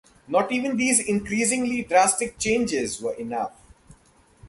Not even these increasingly drastic changes were enough.